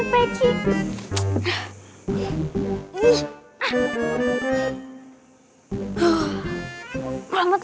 hah paket kegedean lagi nih peci